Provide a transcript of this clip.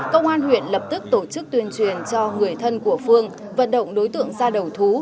công an huyện lập tức tổ chức tuyên truyền cho người thân của phương vận động đối tượng ra đầu thú